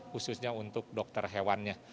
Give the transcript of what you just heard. khususnya untuk dokter hewannya